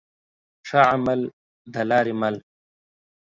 ښه عمل د لاري مل.